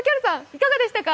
いかがでしたか？